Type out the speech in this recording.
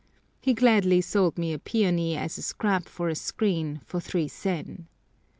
He gladly sold me a peony as a scrap for a screen for 3 sen.